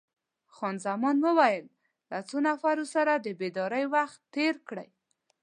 خان زمان وویل: له څو نفرو سره د بېدارۍ وخت تیر کړی؟